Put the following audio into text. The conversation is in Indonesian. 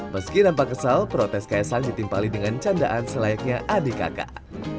meski nampak kesal protes kaisang ditimpali dengan candaan selayaknya adik kakak